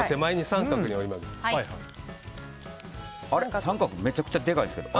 三角めちゃくちゃでかいんですけど。